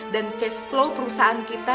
dan cashflow perusahaan kita